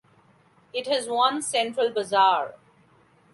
It has one central bazaar.